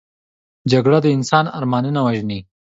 جګړه د انسان ارمانونه وژني